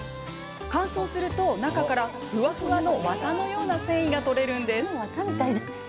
乾燥すると、中からふわふわのワタのような繊維が取れるんです。